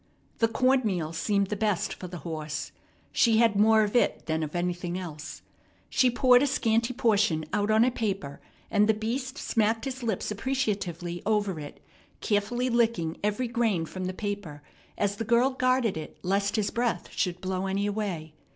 The corn meal seemed the best for the horse. She had more of it than of anything else. She poured a scanty portion out on a paper, and the beast smacked his lips appreciatively over it, carefully licking every grain from the paper, as the girl guarded it lest his breath should blow any away.